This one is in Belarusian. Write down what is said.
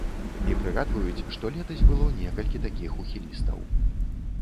І прыгадваюць, што летась было некалькі такіх ухілістаў.